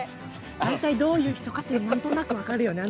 大体、どういう人かってなんとなく分かるよね